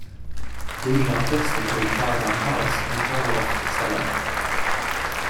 Leading artists include Caravan Palace and Parov Stelar.